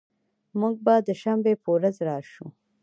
مونږ به د شنبې په ورځ راشو